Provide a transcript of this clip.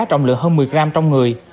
trọng lượng hơn một mươi gram trong người